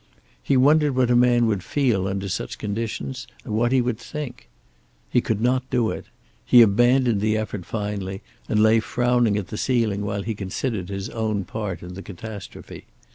He wondered what a man would feel under such conditions, what he would think. He could not do it. He abandoned the effort finally, and lay frowning at the ceiling while he considered his own part in the catastrophe.